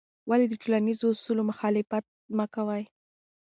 ولې د ټولنیزو اصولو مخالفت مه کوې؟